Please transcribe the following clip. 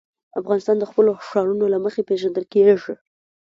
افغانستان د خپلو ښارونو له مخې پېژندل کېږي.